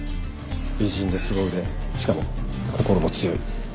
美人ですご腕しかも心も強い。